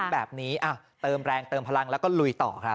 แบบนี้เติมแรงเติมพลังแล้วก็ลุยต่อครับ